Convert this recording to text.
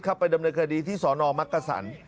เข้าไปดำเนินคดีที่สอนอมักกระสัน